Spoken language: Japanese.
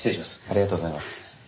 ありがとうございます。